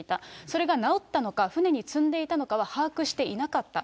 それが直ったのか、船に積んでいたのかは把握していなかった。